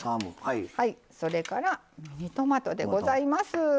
それからミニトマトでございます。